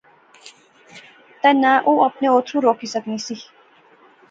تہ نہ او اپنے اتھرو روکی سکنی سی